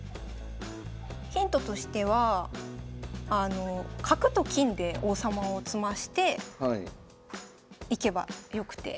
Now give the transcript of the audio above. ⁉ヒントとしては角と金で王様を詰ましていけばよくて。